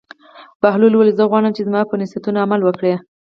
بهلول وویل: زه غواړم چې زما پر نصیحتونو عمل وکړې.